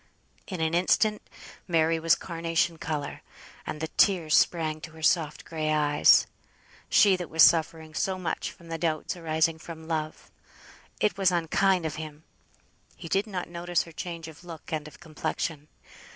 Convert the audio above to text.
In an instant Mary was carnation colour, and the tears sprang to her soft gray eyes; she was suffering so much from the doubts arising from love! It was unkind of him. He did not notice her change of look and of complexion.